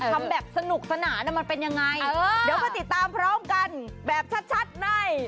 ทำแบบสนุกสนานมันเป็นยังไงเดี๋ยวมาติดตามพร้อมกันแบบชัดใน